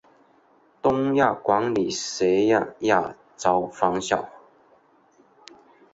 东亚管理学院亚洲分校。